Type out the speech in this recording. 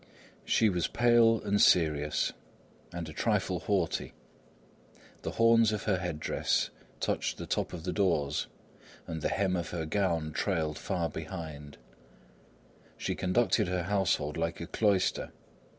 She was pale and serious, and a trifle haughty. The horns of her head dress touched the top of the doors and the hem of her gown trailed far behind her. She conducted her household like a cloister.